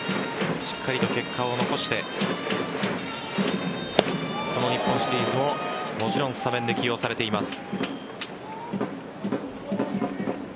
しっかりと結果を残してこの日本シリーズをもちろんスタメンで起用されています。